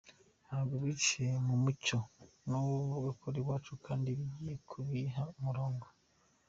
Ntabwo biciye mu mucyo no ku bakora iwacu kandi ngiye kubiha umurongo.